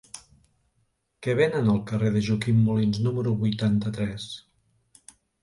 Què venen al carrer de Joaquim Molins número vuitanta-tres?